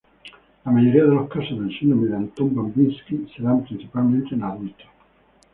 La mayoría de los casos del síndrome de Anton-Babinski se dan principalmente en adultos.